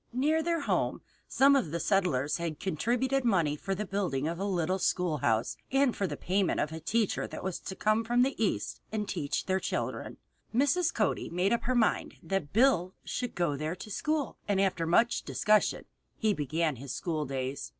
Near their home some of the settlers had contributed money for the building of a little schoolhouse and for the payment of a teacher who was to come from the East and teach their children. Mrs. Cody made up her mind that Bill should go there to school, and after much discussion he began his school days.